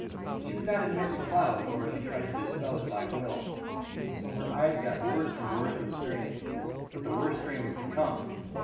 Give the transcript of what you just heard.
She would not admit the cloud; or she tried to dispel it by will. So her eyes got worse and worse with straining; but the worst strain was to come.